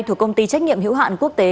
thuộc công ty trách nhiệm hữu hạn quốc tế